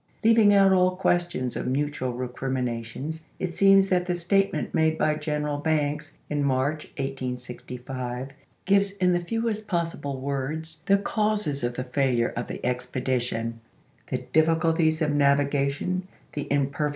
Leaving out all questions of mutual recrimi nations, it seems that the statement made by General Banks in March, 1865, gives in the fewest possible words the causes of the failure of the ex co^mutee pcditiou :" the difficulties of navigation, the imper of'the^war!